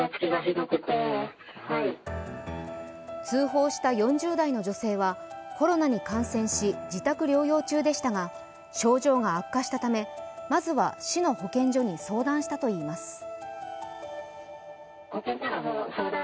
通報した４０代の女性はコロナに感染し自宅療養中でしたが症状が悪化したためまずは市の保健所に相談したといいます。